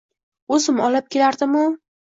— Oʼzim olib kelardimu…